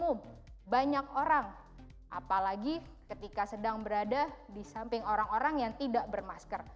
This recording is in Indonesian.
umum banyak orang apalagi ketika sedang berada di samping orang orang yang tidak bermasker